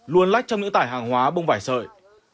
luôn lách trong những tải hàng hóa bông vải sợi